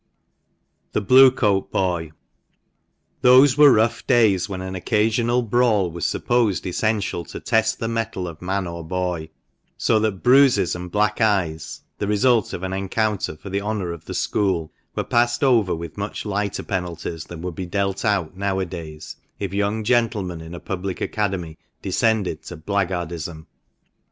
THE BLUE COAT BOY. HOSE were rough days, when an occasional brawl was sup posed essential to test the mettle of man or boy, so that bruises and black eyes (the result of an encounter for the honour of the school) were passed over with much lighter penalties than would be dealt out now a days if young gentlemen in a public academy descended to black guardism.